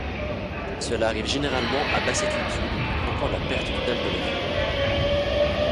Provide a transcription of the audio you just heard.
Cela arrive généralement à basse altitude, provoquant la perte totale de l'avion.